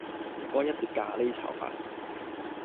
唔該一碟咖哩炒飯